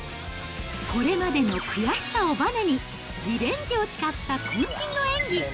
これまでの悔しさをばねに、リベンジを誓ったこん身の演技。